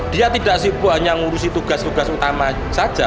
dia tidak hanya ngurusi tugas tugas utama saja